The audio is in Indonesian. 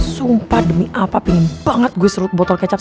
sumpah demi apa pengen banget gue serut botol kecap